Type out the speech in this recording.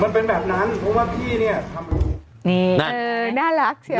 มันเป็นแบบนั้นเพราะว่าพี่เนี้ยนี่น่ารักเสียง